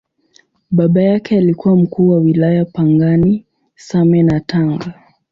Baba yake alikuwa Mkuu wa Wilaya Pangani, Same na Tanga.